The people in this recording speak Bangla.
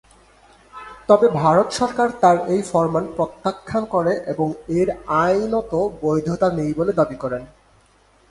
তবে ভারত সরকার তার এই ফরমান প্রত্যাখ্যান করে এবং এর আইনত বৈধতা নেই বলে দাবি করে।